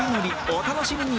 お楽しみに